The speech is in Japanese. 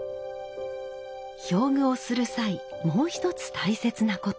表具をする際もう一つ大切なこと。